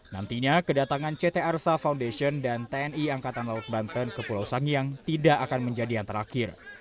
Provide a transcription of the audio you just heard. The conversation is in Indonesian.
nantinya kedatangan ct arsa foundation dan tni angkatan laut banten ke pulau sangiang tidak akan menjadi yang terakhir